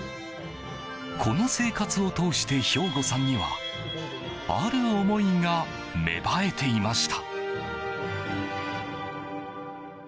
この生活を通して瓢子さんにはある思いが芽生えていました。